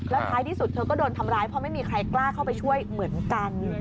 แล้วท้ายที่สุดเธอก็โดนทำร้ายเพราะไม่มีใครกล้าเข้าไปช่วยเหมือนกัน